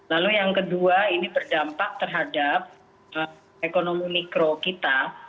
lalu yang kedua ini berdampak terhadap ekonomi mikro kita